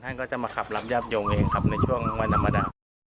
ก็จะมาขับรับญาติโยมเองครับในช่วงวันธรรมดา